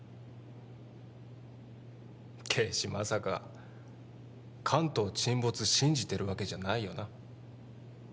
啓示まさか関東沈没信じてるわけじゃないよな？